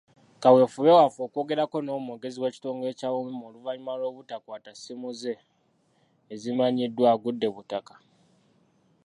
Kaweefube waffe okwogerako n'omwogezi w'ekitongole kya UMEME oluvannyuma lw'obutakwata ssimu ze ezimanyiddwa, agudde butaka.